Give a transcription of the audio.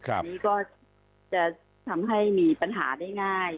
อันนี้ก็จะทำให้มีปัญหาได้ง่าย